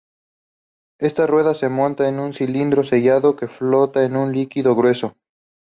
Esta rueda se monta en un cilindro sellado, que flota en un líquido grueso.